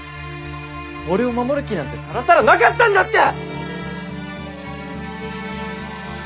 俺を守る気なんてさらさらなかったんだって！